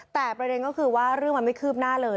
แต่ประเด็นก็คือว่าเรื่องมันไม่คืบหน้าเลย